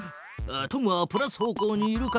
トムはプラス方向にいるから。